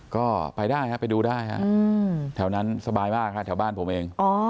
ก็ไปได้ครับไปดูได้ฮะแถวนั้นสบายมากฮะแถวบ้านผมเอง